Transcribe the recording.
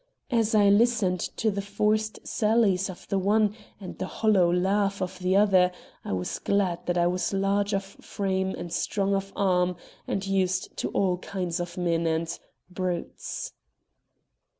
As I listened to the forced sallies of the one and the hollow laugh of the other, I was glad that I was large of frame and strong of arm and used to all kinds of men and brutes.